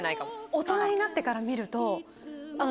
大人になってから見ると。